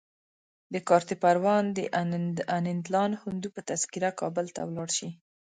د کارته پروان د انندلال هندو په تذکره کابل ته ولاړ شي.